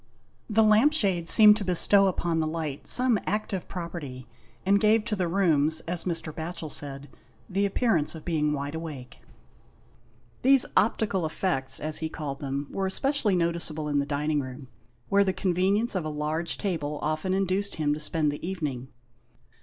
The lamp shade seemed to bestow upon the light some active property, and gave to the rooms, as Mr. Batchel said, the appearance of being wide awake. ■ These optical effects, as he called them, were especially noticeable in the dining room, where the convenience of a large table often induced him to spend the evening.